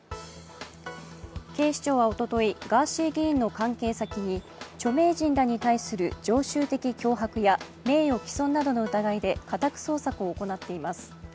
警視庁はおとといガーシー議員の関係先に著名人らに対する常習的脅迫や名誉毀損などの疑いで家宅捜索を行っています。